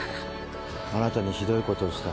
あなたにひどいことをした。